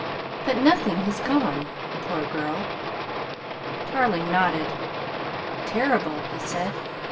But nothing has gone. Poor girl!" Tarling nodded. "Terrible!" he said.